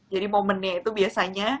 jadi momennya itu biasanya